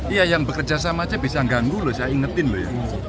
iya yang bekerja sama aja bisa ganggu loh saya ingetin loh ya